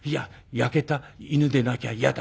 焼けた犬でなきゃ嫌だ。